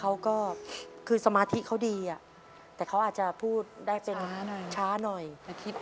มันคือคงเตรียมอยู่ไปก่อนนะครับ